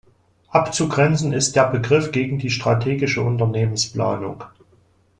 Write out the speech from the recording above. Abzugrenzen ist der Begriff gegen die strategische Unternehmensplanung.